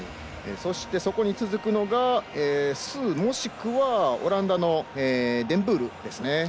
そして、そこに続くのが鄒、もしくはオランダのデンブールですね。